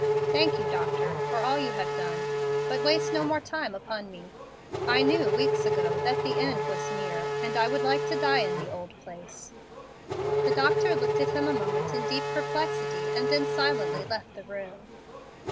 Thank you, doctor, for all you have done, but waste no more time upon me. I knew, weeks ago, that the end was near, and I would like to die in the old place." The doctor looked at him a moment in deep perplexity, and then silently left the room.